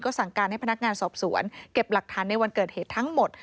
สั่งการให้พนักงานสอบสวนเก็บหลักฐานในวันเกิดเหตุทั้งหมด